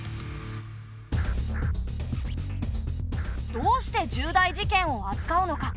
どうして重大事件をあつかうのか？